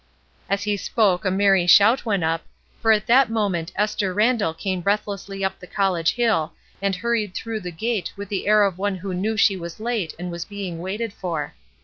As he spoke a merry shout went up, for at that moment Esther Randall came breathlessly up the college hill and hurried through the gate with the air of one who knew she was late and was being waited for.